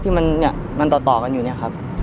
ที่มันเนี่ยมันต่อกันอยู่เนี่ยครับ